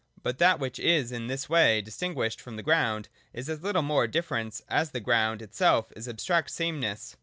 But that which is in this way distinguished from the ground is as little mere difference, as the ground itself is abstract same ness.